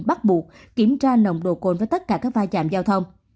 bắt buộc kiểm tra nồng độ cồn với tất cả các va chạm giao thông